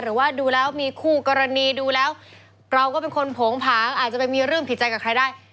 หรือว่าดูแล้วมีคู่กรณีดูแล้วเราก็เป็นคนโผงผางอาจจะไปมีเรื่องผิดใจกับใครได้